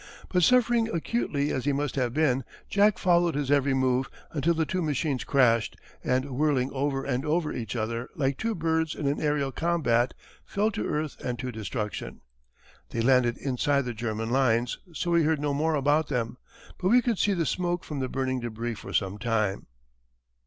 But suffering acutely as he must have been, Jack followed his every move until the two machines crashed, and whirling over and over each other like two birds in an aërial combat fell to earth and to destruction. They landed inside the German lines so we heard no more about them. But we could see the smoke from the burning débris for some time.